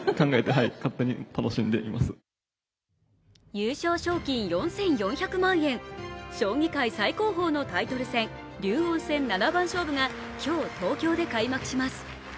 優勝賞金４４００万円、将棋界最高峰のタイトル戦、竜王戦七番勝負が今日、東京で開幕します。